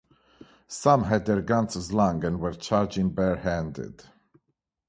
Some had their guns slung and were charging bare-handed.